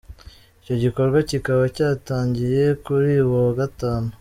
Icyo gikorwa kikaba cyatangiye kuri uyu wa Gatanu.